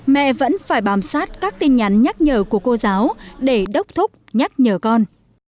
mẹ vẫn phải bám sát các tin nhắn nhắc nhở của cô giáo để đốc thúc nhắc nhở con